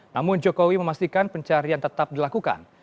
namun jokowi memastikan pencarian tetap dilakukan